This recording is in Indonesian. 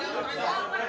terima kasih banyak